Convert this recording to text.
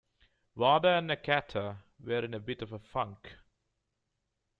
Wada and Nakata were in a bit of a funk.